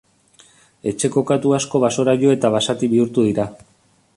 Etxeko katu asko basora jo eta basati bihurtu dira.